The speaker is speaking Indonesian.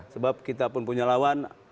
sebab kita pun punya lawan